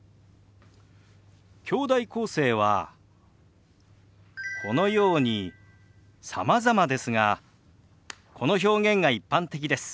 きょうだい構成はこのようにさまざまですがこの表現が一般的です。